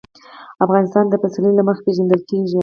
افغانستان د پسرلی له مخې پېژندل کېږي.